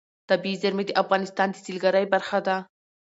طبیعي زیرمې د افغانستان د سیلګرۍ برخه ده.